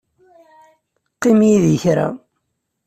Qqim yid-i kra.